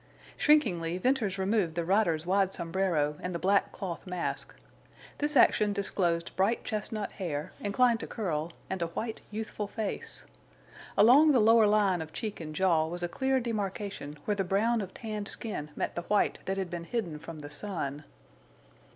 Shrinkingly Venters removed the rider's wide sombrero and the black cloth mask. This action disclosed bright chestnut hair, inclined to curl, and a white, youthful face. Along the lower line of cheek and jaw was a clear demarcation, where the brown of tanned skin met the white that had been hidden from the sun.